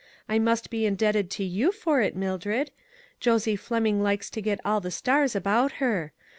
I must be indebted to you for it, Mildred. Josie Fleming likes to get all the stars about her.